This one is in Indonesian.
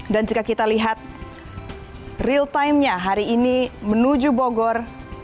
dan jika kita lihat real timenya hari ini menuju bogor